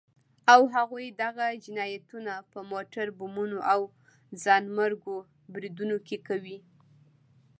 او هغوی دغه جنايتونه په موټر بمونو او ځانمرګو بريدونو کې کوي.